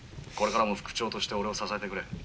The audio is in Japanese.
「これからも副長として俺を支えてくれ」。